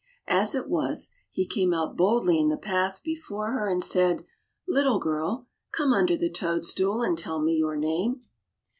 As it was, he came out boldly in the path before her and said, Little girl, come under the toadstool and tell me your name."